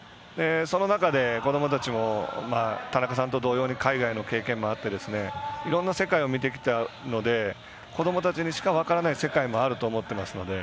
その中で、子どもたちも田中さんと同様に海外の経験もあっていろんな世界を見てきたので子どもたちにしか分からない世界もあると思ってますので。